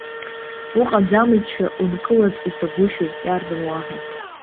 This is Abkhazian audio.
Уҟаӡамызшәа, ункылаӡ уцагәышьоит, иарбан уаҳа!